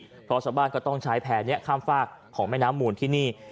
เพราะชาวบ้านก็ต้องใช้แพร่นี้ข้ามฝากของแม่น้ำมูลที่นี่